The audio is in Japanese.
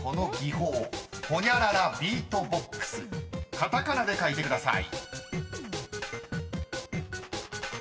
［カタカナで書いてください］